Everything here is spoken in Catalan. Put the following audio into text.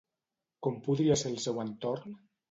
Com podria ser el seu entorn?